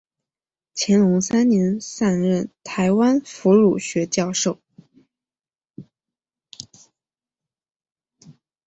乾隆三年上任台湾府儒学教授。